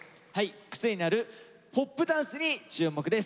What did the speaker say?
癖になるホップダンスに注目です。